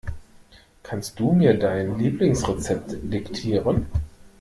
Kannst du mir dein Lieblingsrezept diktieren?